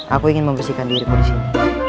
aku ingin membersihkan dirimu di sini